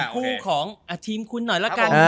คู่ของทีมคุณหน่อยละกัน